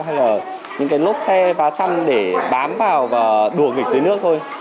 hay là những cái lốt xe vá xăm để bám vào và đùa nghịch dưới nước thôi